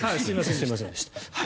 すみませんでした。